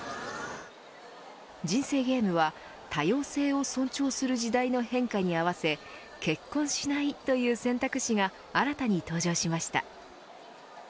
人生ゲームは多様性を尊重する時代の変化に合わせ結婚しないという選択肢が新たに登場しました。